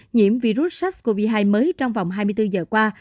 nhiễm virus sars cov hai mới trong vòng hai mươi bốn giờ qua